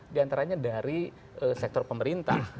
di antaranya dari sektor pemerintah